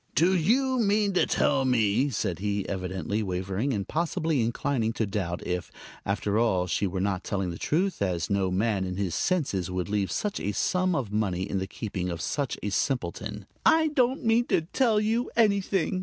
"Do you mean to tell me " said he, evidently wavering, and possibly inclining to doubt if, after all, she were not telling the truth, as no man in his senses would leave such a sum of money in the keeping of such a simpleton. "I don't mean to tell you anything!"